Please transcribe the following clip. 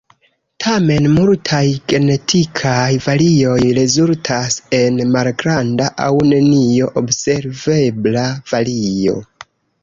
Tamen, multaj genetikaj varioj rezultas en malgranda aŭ neniu observebla vario.